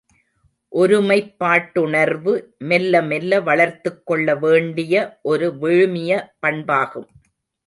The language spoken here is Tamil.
ஒருமைப்பாட்டுணர்வு மெல்ல மெல்ல வளர்த்துக் கொள்ள வேண்டிய ஒரு விழுமிய பண்பாகும்.